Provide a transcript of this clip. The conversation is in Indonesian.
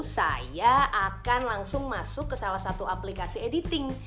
saya akan langsung masuk ke salah satu aplikasi editing